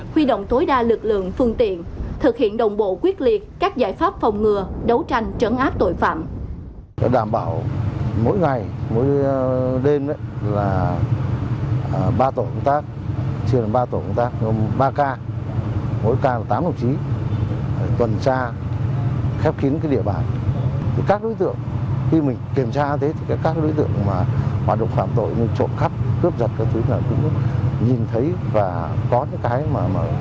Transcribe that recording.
huy động tối đa lực lượng phương tiện thực hiện đồng bộ quyết liệt các giải pháp phòng ngừa đấu tranh trấn áp tội phạm